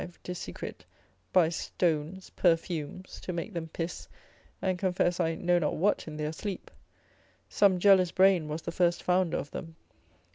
de secret, by stones, perfumes, to make them piss, and confess I know not what in their sleep; some jealous brain was the first founder of them.